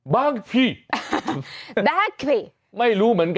แบกปิ